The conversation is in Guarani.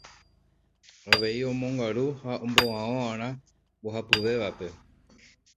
Avei omongaru ha omboao'arã mbohapyvépe.